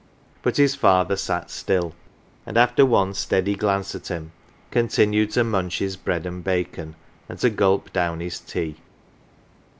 But his father sat still, and after one steady glance at him, continued to munch his bread and bacon, and to gulp down his tea.